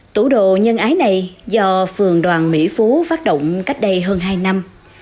tủ đồ nhân ái này do phường đoàn mỹ phú phát động cách đây hơn hai năm